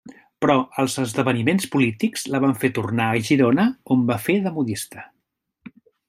Però els esdeveniments polítics la van fer tornar a Girona on va fer de modista.